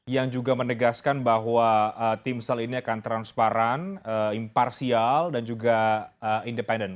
yang juga menegaskan bahwa timsel ini akan transparan imparsial dan juga independen